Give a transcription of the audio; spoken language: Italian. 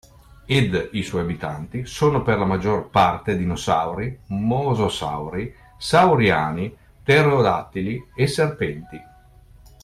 Ed i suoi abitanti sono per la maggior parte dinosauri, mososauri, sauriani, pterodattili e serpenti.